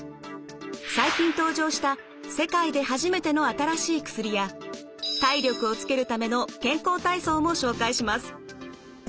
最近登場した世界で初めての新しい薬や体力をつけるための健康体操も紹介します。